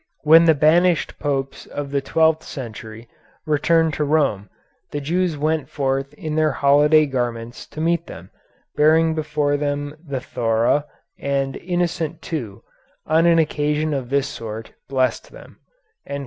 When the banished Popes of the twelfth century returned to Rome, the Jews went forth in their holiday garments to meet them, bearing before them the 'thora,' and Innocent II, on an occasion of this sort, blessed them."